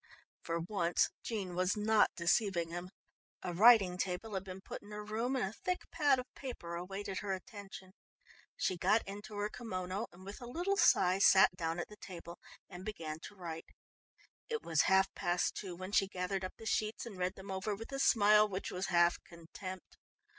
For once Jean was not deceiving him. A writing table had been put in her room and a thick pad of paper awaited her attention. She got into her kimono and with a little sigh sat down at the table and began to write. It was half past two when she gathered up the sheets and read them over with a smile which was half contempt.